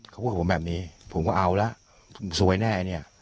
เขาพูดกับผมแบบนี้ผมก็เอาละซวยแน่เนี่ย